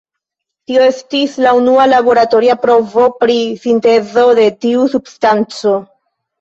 Tio estis la unua laboratoria provo pri sintezo de tiu substanco.